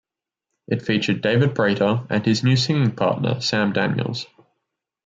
It featured David Prater and his new singing partner Sam Daniels.